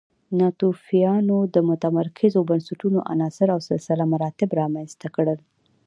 ناتوفیانو د متمرکزو بنسټونو عناصر او سلسله مراتب رامنځته کړل